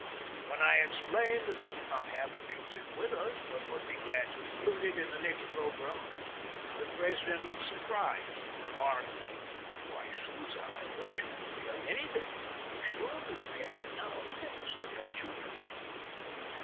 When I explained that we did not have the music with us but would be glad to include it in the next programme, the President looked surprised and remarked: "Why, Sousa, I thought you could play anything. I'm sure you can; now give us the 'Cachuca.'"